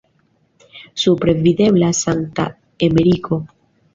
Supre videblas Sankta Emeriko.